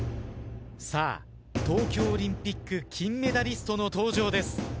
さあ東京オリンピック金メダリストの登場です。